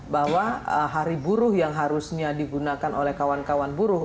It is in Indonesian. bahwa hari buruh yang harusnya digunakan oleh kawan kawan buruh